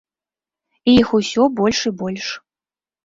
І іх усё больш і больш.